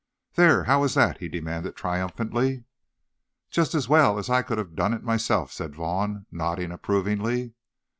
"There! How is that?" he demanded triumphantly. "Just as well as I could have done it myself," said Vaughn, nodding approvingly.